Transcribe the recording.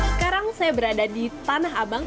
sekarang saya berada di tanah abang